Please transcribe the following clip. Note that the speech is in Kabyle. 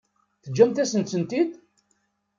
Teǧǧamt-asent-tent-id?